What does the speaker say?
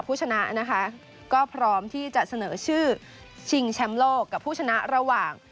ผู้ชนะนะคะก็พร้อมที่จะเสนอชื่อชิงแชมป์โลกกับผู้ชนะระหว่าง